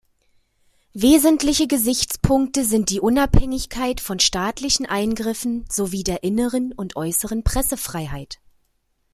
Wesentliche Gesichtspunkte sind die Unabhängigkeit von staatlichen Eingriffen sowie der inneren und äußeren Pressefreiheit.